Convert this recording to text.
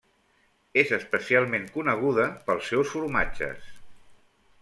És especialment coneguda pels seus formatges.